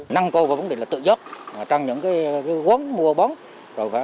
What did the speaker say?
nâng cao của vấn đề là tự do trong những quấn mua bóng